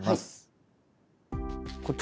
こっち？